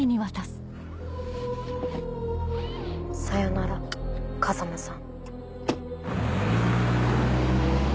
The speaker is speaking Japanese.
さよなら風真さん。